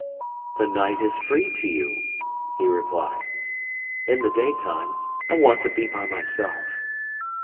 "The night is free to you," he replied. "In the daytime I want to be by myself."